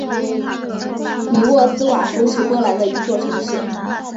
米沃斯瓦夫是波兰的一座城市。